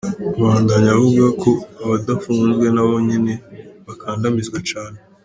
Abandanya avuga ko abadapfunzwe nabo nyene bakandamizwa cane.